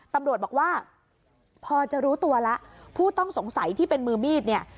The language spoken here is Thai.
ตำรวจบอกว่าพอจะรู้ตัวแล้วผู้ต้องสงสัยที่เป็นมือมีดเนี่ย